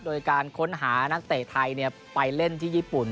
โดยการค้นหานักเตะไทยไปเล่นที่ญี่ปุ่น